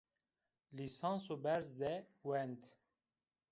Lîsanso berz de wend